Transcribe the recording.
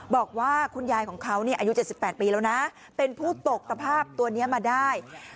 บอกว่าคุณยายของเขาอายุ๗๘ปีแล้วนะเป็นผู้ตกตะภาพตัวนี้มาได้